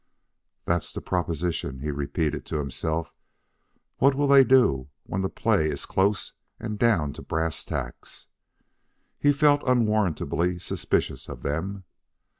"That's the proposition," he repeated to himself; "what will they all do when the play is close and down to brass tacks?" He felt unwarrantably suspicious of them.